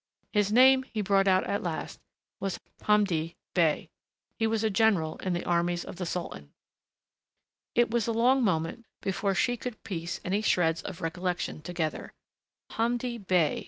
His name, he brought out at last, was Hamdi Bey. He was a general in the armies of the sultan. It was a long moment before she could piece any shreds of recollection together. Hamdi Bey